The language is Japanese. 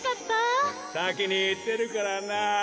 さきにいってるからな。